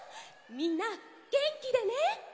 みんなげんきでね。